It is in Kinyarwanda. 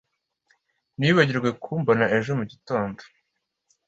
Ntiwibagirwe kumbona ejo mugitondo